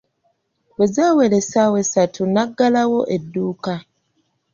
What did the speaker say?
Bwe zaawera essaawa essatu n'aggalawo edduuka.